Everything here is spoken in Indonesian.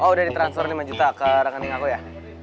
oh udah ditransfer lima juta ke rekening aku ya